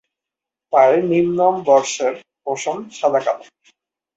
পায়ের নিম্নম্বরশের পশম সাদা কালো।